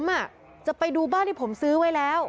ผมจะไปดูบ้านที่ผมซื้อไว้แล้ว